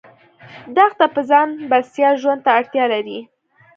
دښته په ځان بسیا ژوند ته اړتیا لري.